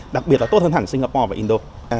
đặc biệt là tốt hơn hẳn singapore và indo